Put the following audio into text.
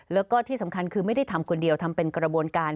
แล้วก็ที่สำคัญคือไม่ได้ทำคนเดียวทำเป็นกระบวนการ